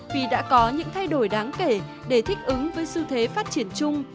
vì đã có những thay đổi đáng kể để thích ứng với xu thế phát triển chung